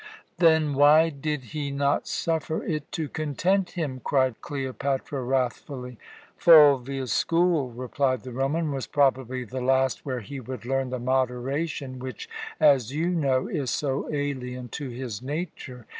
"Then why did he not suffer it to content him?" cried Cleopatra wrathfully. "Fulvia's school," replied the Roman, "was probably the last where he would learn the moderation which as you know is so alien to his nature.